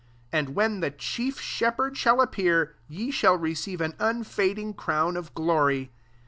4 And, when the chief Shep herd shall appear, ye shall re ceive an unfading crown of glory.